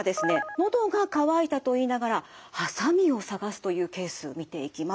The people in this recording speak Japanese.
のどが渇いたと言いながらハサミをさがすというケース見ていきます。